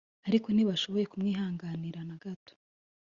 ariko ntibashoboye kumwihanganira nagato